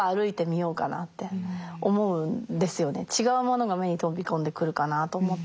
こっちも違うものが目に飛び込んでくるかなと思って。